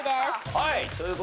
はい。